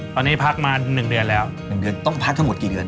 ตอนนี้พักมา๑เดือนแล้ว๑เดือนต้องพักทั้งหมดกี่เดือน